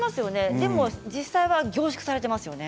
でも実際は凝縮されていますよね。